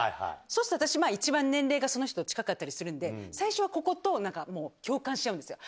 そうすると私、一番年齢がその人と近かったりするんで、最初はここと、なんかもう、共感し合うんですよ。